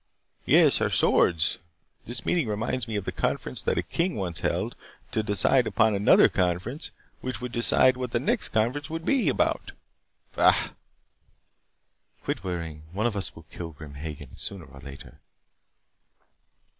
"Yes, our swords. This meeting reminds me of the conference that a king once held to decide upon another conference which would decide what the next conference would be about. Bah!" "Quit worrying. One of us will kill Grim Hagen, sooner or later."